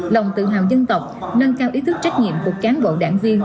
lòng tự hào dân tộc nâng cao ý thức trách nhiệm của cán bộ đảng viên